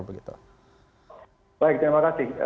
baik terima kasih